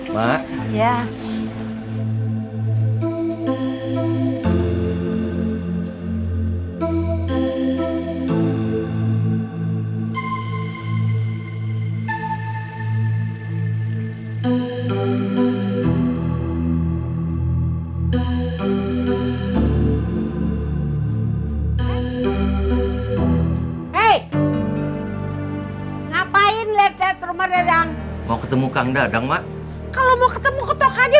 hai ngapain letak rumah dadang mau ketemu kang dadang mak kalau mau ketemu ketok aja